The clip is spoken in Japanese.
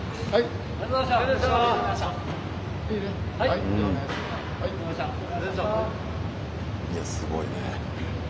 いやすごいね。